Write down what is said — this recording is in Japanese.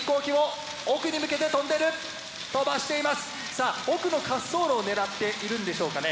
さあ奥の滑走路を狙っているんでしょうかね。